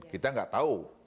kita nggak tahu